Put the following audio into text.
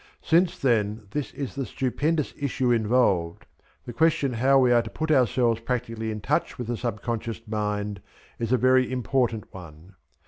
Since, then, this is the stupendous issue involved, the question how we are to put ourselves practically in touch with the sub conscious mind is a very important one.